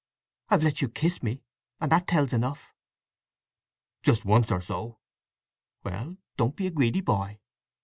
"I've let you kiss me, and that tells enough." "Just once or so!" "Well—don't be a greedy boy."